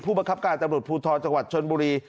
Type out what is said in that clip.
บังคับการตำรวจภูทรจังหวัดชนบุรี